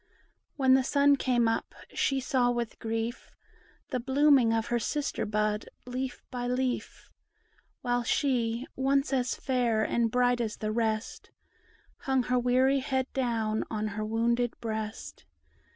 When the sun came up, she saw with grief The blooming of her sister bud leaf by leaf. While she, once as fair and bright as the rest, Hung her weary head down on her wounded breast.